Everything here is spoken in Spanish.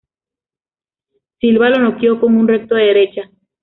Silva lo noqueó con un recto de derecha.